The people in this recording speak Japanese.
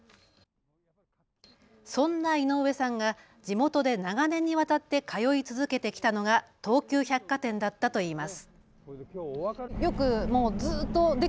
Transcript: そんな井上さんが地元で長年にわたって通い続けてきたのが東急百貨店だったといいます。